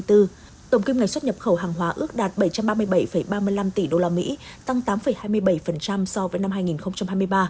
tổng kim ngạch xuất nhập khẩu hàng hóa ước đạt bảy trăm ba mươi bảy ba mươi năm tỷ usd tăng tám hai mươi bảy so với năm hai nghìn hai mươi ba